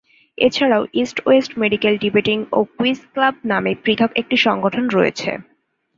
এছাড়াও "East West Medical Debating ও Quiz Club" নামে পৃথক একটি সংগঠন রয়েছে।